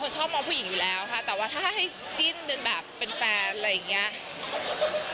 ชอบมองผู้หญิงอยู่แล้วค่ะแต่ว่าถ้าให้จิ้นจนแบบเป็นแฟนอะไรอย่างนี้